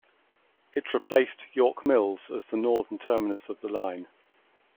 It replaced York Mills as the northern terminus of the line.